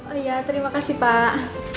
oh iya terima kasih pak